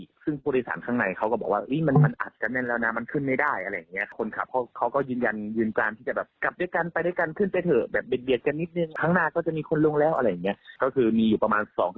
คนที่เขามีที่นั่งอยู่อะไรอย่างนี้ครับ